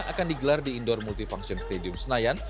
akan digelar di indoor multifunction stadium senayan